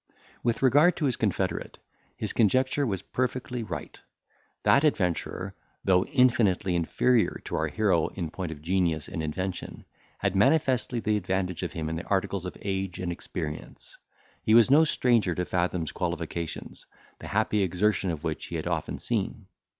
With regard to his confederate, his conjecture was perfectly right; that adventurer, though infinitely inferior to our hero in point of genius and invention, had manifestly the advantage of him in the articles of age and experience; he was no stranger to Fathom's qualifications, the happy exertion of which he had often seen.